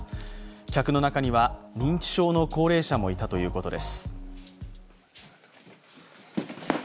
客の中には認知症の高齢者もいたということです。